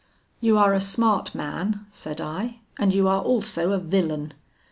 'You are a smart man,' said I, 'and you are also a villain.